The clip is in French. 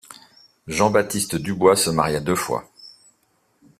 Jean-Baptiste Dubois se maria deux fois.